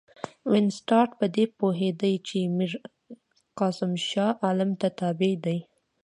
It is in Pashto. وینسیټارټ په دې پوهېدی چې میرقاسم شاه عالم ته تابع دی.